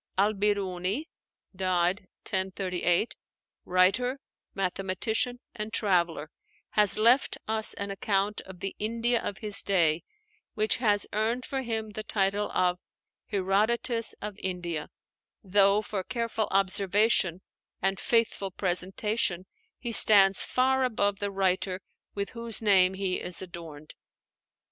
Al Birúni (died 1038), writer, mathematician, and traveler, has left us an account of the India of his day which has earned for him the title "Herodotus of India," though for careful observation and faithful presentation he stands far above the writer with whose name he is adorned.